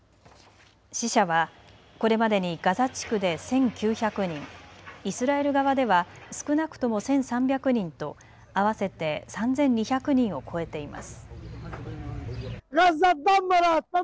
死者はこれまでにガザ地区で１９００人、イスラエル側では少なくとも１３００人と合わせて３２００人を超えています。